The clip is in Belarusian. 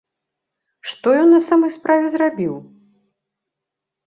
Што ён на самай справе зрабіў?